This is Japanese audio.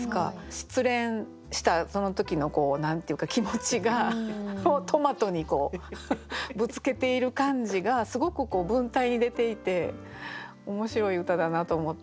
失恋したその時の何て言うか気持ちをトマトにぶつけている感じがすごく文体に出ていて面白い歌だなと思って。